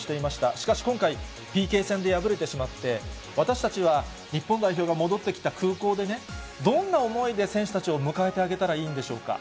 しかし今回、ＰＫ戦で敗れてしまって、私たちは日本代表が戻ってきた空港でね、どんな思いで選手たちを迎えてあげたらいいんでしょうか。